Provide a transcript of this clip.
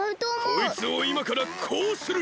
こいつをいまからこうする！